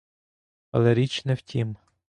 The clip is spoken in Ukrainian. Але річ не в тім.